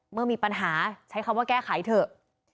เมื่อมีปัญหาใช้คำว่าแก้ไขเถอะ